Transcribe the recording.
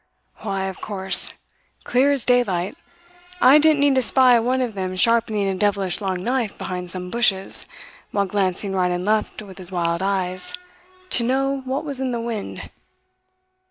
"Why, of course! Clear as daylight. I didn't need to spy one of them sharpening a devilish long knife behind some bushes, while glancing right and left with his wild eyes, to know what was in the wind.